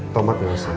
tomat gak usah